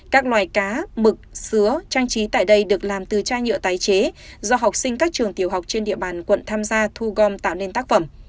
các loài cá mực xứ trang trí tại đây được làm từ chai nhựa tái chế do học sinh các trường tiểu học trên địa bàn quận tham gia thu gom tạo nên tác phẩm